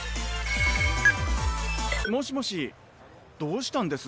もしもしどうしたんです？